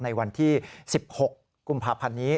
ในวันที่๑๖กุมภาพันธ์นี้